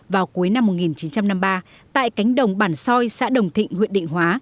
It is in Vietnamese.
vào cuối năm một nghìn chín trăm năm mươi ba tại cánh đồng bản soi xã đồng thịnh huyện định hóa